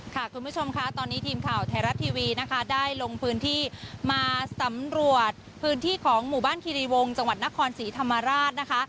คุณผู้ชมค่ะตอนนี้ทีมข่าวไทยรัฐทีวีนะคะได้ลงพื้นที่มาสำรวจพื้นที่ของหมู่บ้านคิริวงศ์จังหวัดนครศรีธรรมราชนะคะ